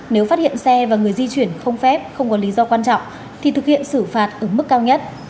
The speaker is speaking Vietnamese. nếu phát hiện xe và người di chuyển không phép không có lý do quan trọng thì thực hiện xử phạt ở mức cao nhất